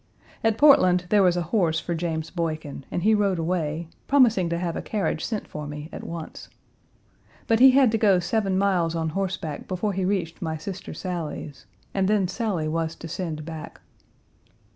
At Portland there was a horse for James Boykin, and he rode away, promising to have a carriage sent for me at once. But he had to go seven miles on horseback before he reached my sister Sally's, and then Sally was to send back.